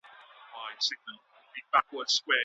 ایا بهرني سوداګر خندان پسته صادروي؟